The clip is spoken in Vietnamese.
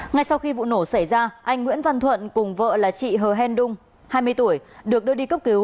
ngay sau khi vụ nổ xảy ra anh nguyễn văn thuận cùng vợ là chị hờ hèn đung hai mươi tuổi được đưa đi cấp cứu